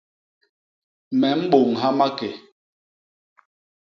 Me mbôñha maké.